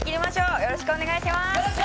よろしくお願いします！